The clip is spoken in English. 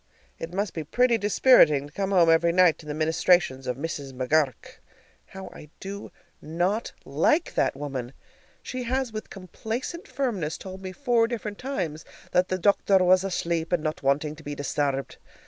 It must be pretty dispiriting to come home every night to the ministrations of Mrs. McGur rk. How I do not like that woman! She has with complacent firmness told me four different times that the dochther was ashleep and not wantin' to be disturbed.